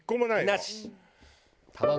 なし！